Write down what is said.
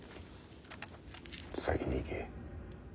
先に行け。